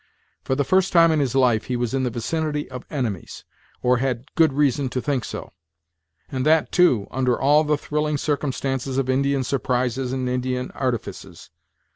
For the first time in his life he was in the vicinity of enemies, or had good reason to think so; and that, too, under all the thrilling circumstances of Indian surprises and Indian artifices.